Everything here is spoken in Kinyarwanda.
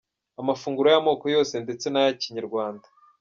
Amafunguro y’amoko yose ndetse n’aya kinyarwanda.